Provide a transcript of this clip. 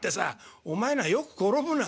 「お前のはよく転ぶな」。